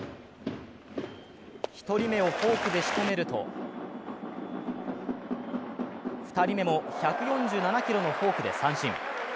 １人目をフォークでしとめると、２人目も１４７キロのフォークで三振。